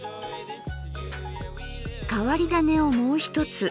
変わり種をもうひとつ。